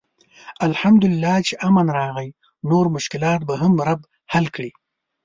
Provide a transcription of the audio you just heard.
الحمدالله چې امن راغی، نور مشکلات به هم رب حل کړي.